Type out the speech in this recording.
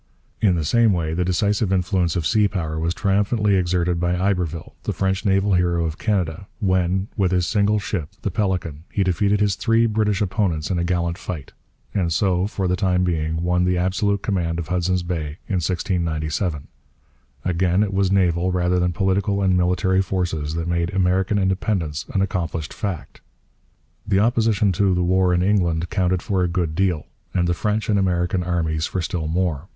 In the same way the decisive influence of sea power was triumphantly exerted by Iberville, the French naval hero of Canada, when, with his single ship, the Pélican, he defeated his three British opponents in a gallant fight; and so, for the time being, won the absolute command of Hudson Bay in 1697. Again, it was naval rather than political and military forces that made American independence an accomplished fact. The opposition to the war in England counted for a good deal; and the French and American armies for still more.